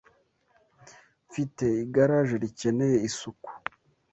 Mfite igaraje rikeneye isuku.